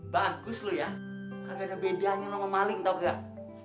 bagus lu ya kagak ada bedanya lu ngemaling tau gak